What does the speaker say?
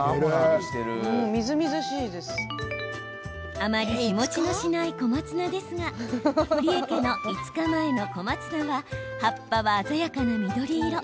あまり日もちのしない小松菜ですが堀江家の５日前の小松菜は葉っぱは鮮やかな緑色。